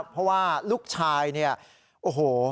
เพราะว่าลูกชายเนี่ยโอ้โห